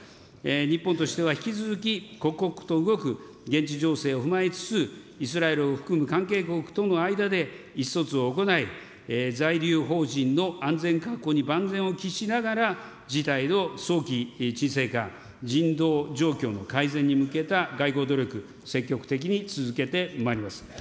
日本としては引き続き刻々と動く現地情勢を踏まえつつ、イスラエルを含む関係国との間で意思疎通を行い、在留邦人の安全確保に万全を期しながら、事態の早期沈静化、人道状況の改善に向けた外交努力、積極的に続けてまいります。